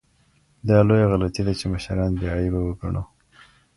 دا لویه غلطي ده چي مشران بې عیبه وګڼو.